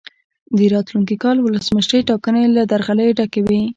د راتلونکي کال ولسمشرۍ ټاکنې له درغلیو ډکې وې.